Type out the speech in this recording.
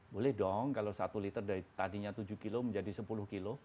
boleh dong kalau satu liter dari tadinya tujuh kilo menjadi sepuluh kilo